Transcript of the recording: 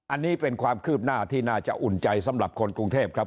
อันนี้เป็นความคืบหน้าที่น่าจะอุ่นใจสำหรับคนกรุงเทพครับ